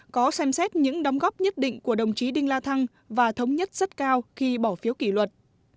có xem xét những đóng góp nhất định của đồng chí đinh la thăng và thống nhất rất cao khi bỏ phiếu kỷ luật